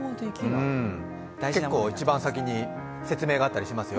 結構、一番先に説明があったりしますよ。